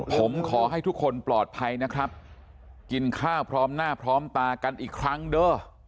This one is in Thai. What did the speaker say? ผมขอให้ทุกคนปลอดภัยนะครับกินข้าวพร้อมหน้าพร้อมตากันอีกครั้งเด้อ